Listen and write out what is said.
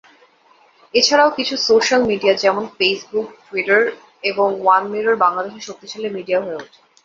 এছাড়াও কিছু social media, যেমন ফেসবুক, টুইটার এবং ওয়ান মিরর বাংলাদেশের শক্তিশালী মিডিয়া হয়ে ওঠে।